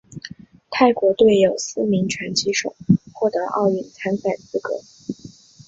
泰国队有四名拳击手获得奥运参赛资格。